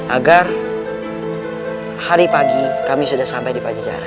agar hari pagi kami sudah sampai di pajajaran